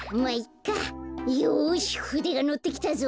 よしふでがのってきたぞ！